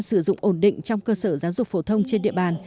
sử dụng ổn định trong cơ sở giáo dục phổ thông trên địa bàn